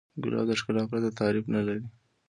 ګلاب د ښکلا پرته تعریف نه لري.